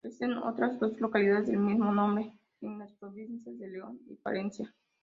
Existen otras dos localidades del mismo nombre en las provincias de León y Palencia.